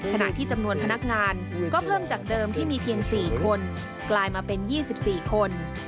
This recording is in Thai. ขณะที่จำนวนพนักงานก็เพิ่มจากเดิมที่มีเพียง๔คนกลายมาเป็น๒๔คน